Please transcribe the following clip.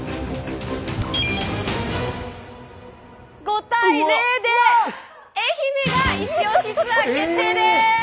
５対０で愛媛がイチオシツアー決定です！